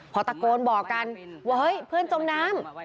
พอตะโกนบอกกันว่าเฮ้ยเพื่อนจมน้ำ